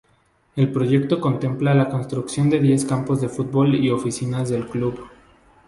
El proyecto contempla la construcción de diez campos de fútbol y oficinas del club.